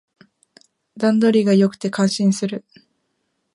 段取りが良くて感心する